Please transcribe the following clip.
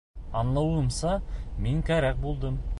Аңлауымса, мин кәрәк булдым.